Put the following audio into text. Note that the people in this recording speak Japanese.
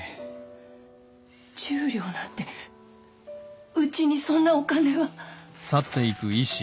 １０両なんてうちにそんなお金は。